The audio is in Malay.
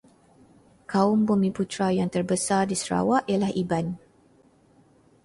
Kaum Bumiputera yang terbesar di Sarawak ialah Iban.